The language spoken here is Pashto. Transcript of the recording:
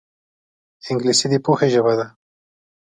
انګلیسي د پوهې ژبه ده